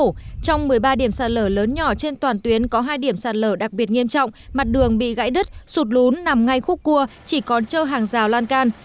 trong một mươi ba điểm sạt lở lớn nhỏ trên toàn tuyến có hai điểm sạt lở đặc biệt nghiêm trọng mặt đường bị gãy đứt sụt lún nằm ngay khúc cua chỉ còn trơ hàng rào lan can